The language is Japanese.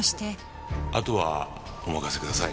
あとはお任せください。